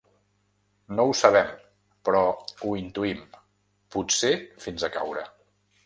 No ho sabem, però ho intuïm; potser fins a caure.